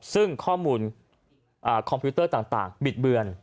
ซึ่งข้อมูลคอมพิวเตอร์ต่างบิดเบือน